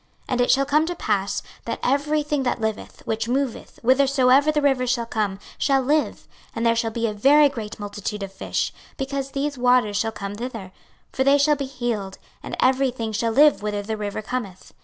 26:047:009 And it shall come to pass, that every thing that liveth, which moveth, whithersoever the rivers shall come, shall live: and there shall be a very great multitude of fish, because these waters shall come thither: for they shall be healed; and every thing shall live whither the river cometh.